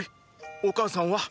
お母さんは？